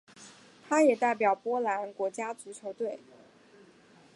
他也代表波兰国家足球队。